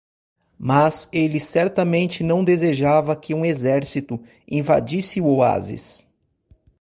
Mas ele certamente não desejava que um exército invadisse o oásis.